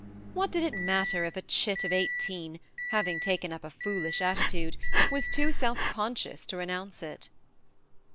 What did it matter if a chit of eighteen, having taken up a foolish attitude, was too self conscious to renounce it